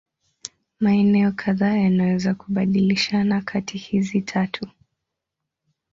Maeneo kadhaa yanaweza kubadilishana kati hizi tatu.